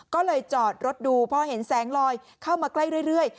ก็เลยจอดรถดูพอเห็นแสงลอยเข้ามาใกล้เรื่อย